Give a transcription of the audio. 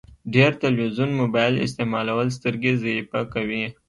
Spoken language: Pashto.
ډير تلويزون مبايل استعمالول سترګي ضعیفه کوی